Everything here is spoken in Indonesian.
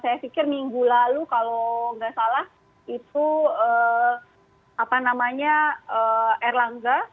saya pikir minggu lalu kalau nggak salah itu apa namanya erlangga